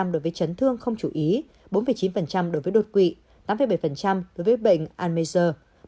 một mươi sáu tám đối với chấn thương không chú ý bốn chín đối với đột quỵ tám bảy đối với bệnh almeida